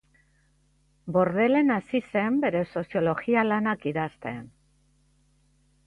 Bordelen hasi zen bere soziologia lanak idazten.